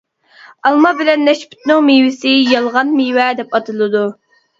ئالما بىلەن نەشپۈتنىڭ مېۋىسى يالغان مېۋە دەپ ئاتىلىدۇ.